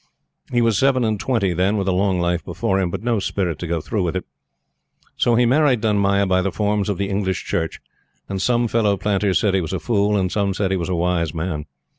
He was seven and twenty then, with a long life before him, but no spirit to go through with it. So he married Dunmaya by the forms of the English Church, and some fellow planters said he was a fool, and some said he was a wise man.